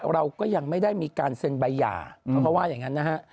เราก็ยังไม่ได้มีการเซ็นใบหย่าเขาก็ว่าอย่างนั้นนะฮะ